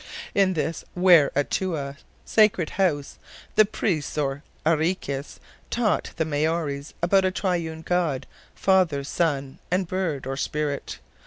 In this "Ware Atoua," sacred house, the priests or arikis taught the Maories about a Triune God, father, son, and bird, or spirit.